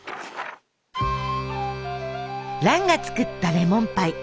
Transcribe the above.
蘭が作ったレモンパイ。